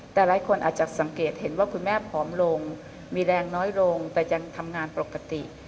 แต่หลายคนอาจจะสังเกตเห็นว่าคุณแม่ผอมลงมีแรงน้อยลงแต่ยังทำงานปกติ